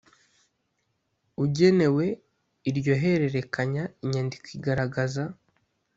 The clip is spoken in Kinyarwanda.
ugenewe iryo hererekanya inyandiko igaragaza